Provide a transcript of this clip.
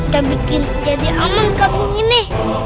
gak bikin jadi aman sekabung ini